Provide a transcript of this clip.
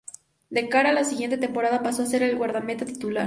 De cara a la siguiente temporada pasó a ser el guardameta titular.